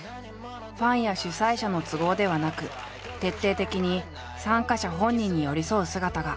ファンや主催者の都合ではなく徹底的に参加者本人に寄り添う姿が話題となった。